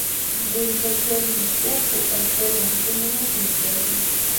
Willkachaymi uhu unquywan puñunapim kashan.